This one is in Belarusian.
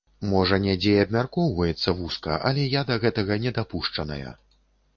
Можа, недзе і абмяркоўваецца вузка, але я да гэтага не дапушчаная.